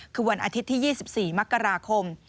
คือวันอาทิตย์ที่๒๔มกราคม